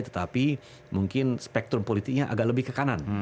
tetapi mungkin spektrum politiknya agak lebih ke kanan